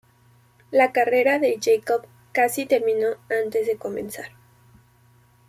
La carrera de Jacob casi terminó antes de comenzar.